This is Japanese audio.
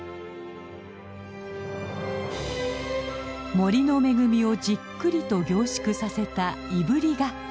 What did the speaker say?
森の恵みをじっくりと凝縮させたいぶりがっこ。